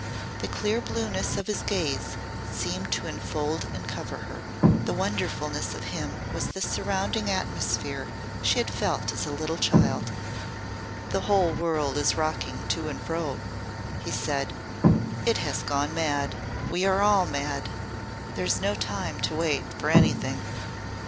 The clear blueness of his gaze seemed to enfold and cover her. The wonderfulness of him was the surrounding atmosphere she had felt as a little child. "The whole world is rocking to and fro," he said. "It has gone mad. We are all mad. There is no time to wait for anything."